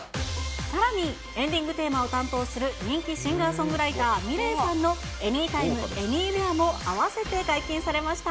さらに、エンディングテーマを担当する人気シンガーソングライター、ｍｉｌｅｔさんのエニータイムエニーウェアも、併せて解禁されました。